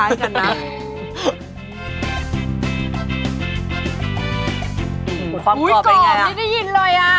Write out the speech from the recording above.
อุ๊ยกรอบนิดนึงได้ยินเลยอ่ะ